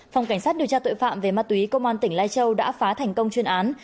phòng cảnh sát điều tra tội phạm về ma túy công an tỉnh lai châu đã phá thành công chuyên án